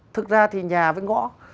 thật ra thì nhà với ngõ